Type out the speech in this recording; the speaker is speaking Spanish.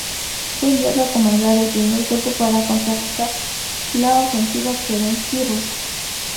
Fue enviado a comandar el I Cuerpo para contrarrestar la Ofensiva Kerensky rusa.